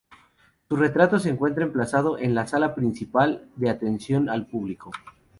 Su retrato se encuentra emplazado en la sala principal de atención al público.